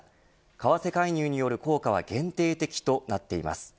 為替介入による効果は限定的となっています。